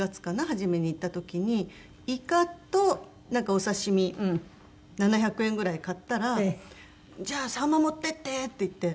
初めに行った時にイカとなんかお刺し身７００円ぐらい買ったら「じゃあサンマ持ってって」って言って。